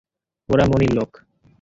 ওরা মনির লোক।